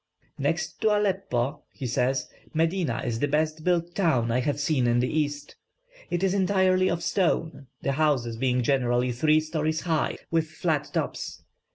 "Next to Aleppo," he says, "Medina is the best built town I have seen in the East. It is entirely of stone, the houses being generally three stories high, with flat tops.